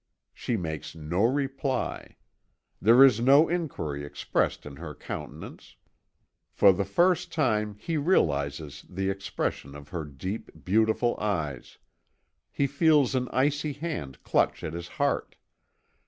She makes no reply. There is no inquiry expressed in her countenance. For the first time he realizes the expression of her deep, beautiful eyes. He feels an icy hand clutch at his heart.